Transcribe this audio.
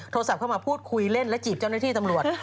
โทรศัพท์เข้ามาพูดคุยเล่นและจีบเจ้าหน้าที่ตำรวจ